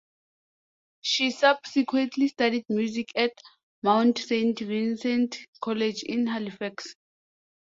She subsequently studied music at Mount Saint Vincent College in Halifax.